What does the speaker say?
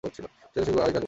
না, সেই গল্প আরেক রাতে বলব।